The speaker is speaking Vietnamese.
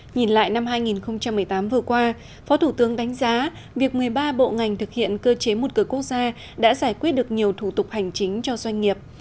nhìn lại năm hai nghìn một mươi tám vừa qua phó thủ tướng đánh giá việc một mươi ba bộ ngành thực hiện cơ chế một cửa quốc gia đã giải quyết được nhiều thủ tục hành chính cho doanh nghiệp